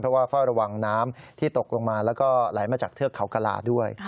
เพราะว่าเฝ้าระวังน้ำที่ตกลงมาแล้วก็ไหลมาจากเทือกเขากระลาด้วย